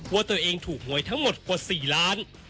ว่าตัวเองถูกหวยทั้งหมดกว่า๔ล้าน